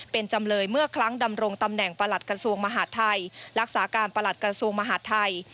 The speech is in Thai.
เป็นจำเลยเมื่อครั้งดำรงตำแหน่งประหลัดกระทรวงมหาดไทยรักษาการประหลัดกระทรวงมหาดไทย